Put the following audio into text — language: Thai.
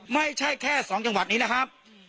ไม่ใช่แค่๒จังหวัดนี้นะครับ